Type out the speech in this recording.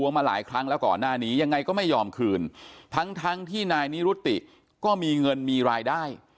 มาหลายครั้งแล้วก่อนหน้านี้ยังไงก็ไม่ยอมคืนทั้งทั้งที่นายนิรุติก็มีเงินมีรายได้